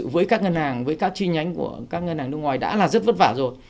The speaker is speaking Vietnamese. với các ngân hàng với các chi nhánh của các ngân hàng nước ngoài đã là rất vất vả rồi